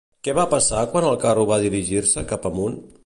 Què va passar quan el carro va dirigir-se cap amunt?